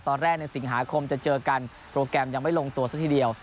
ในสิงหาคมจะเจอกันโปรแกรมยังไม่ลงตัวซะทีเดียว